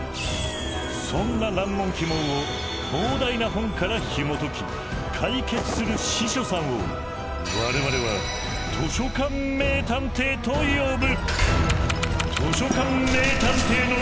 そんな難問・奇問を膨大な本からひもとき解決する司書さんを我々は「図書館名探偵」と呼ぶ。